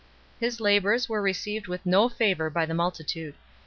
His labours were received with no favour by the multitude.